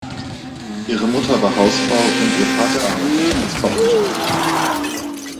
Ihre Mutter war Hausfrau und ihr Vater arbeitete als Bauingenieur.